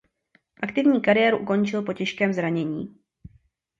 Aktivní kariéru ukončil po těžkém zranění.